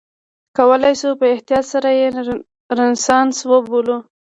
کولای شو په احتیاط سره یې رنسانس وبولو.